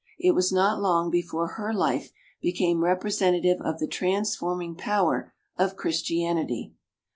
It was not long before her life became representative of the transforming power of Christianity.